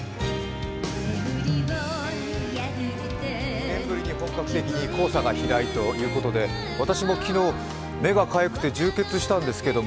２年ぶりに本格的に黄砂が飛来ということで目がかゆくて充血したんですけど